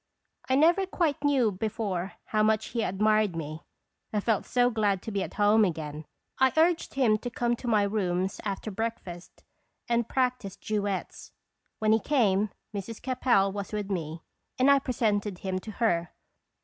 I never quite knew before how much he admired me. I felt so glad to be at home again, I urged him to come to my rooms after breakfast and practice duets. When he came, Mrs. Capel was with me, and I presented him to her.